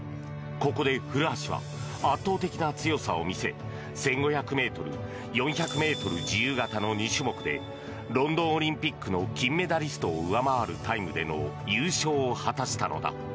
ここで古橋は圧倒的な強さを見せ１５００ｍ、４００ｍ自由形の２種目でロンドンオリンピックの金メダリストを上回るタイムでの優勝を果たしたのだ。